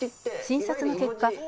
「診察の結果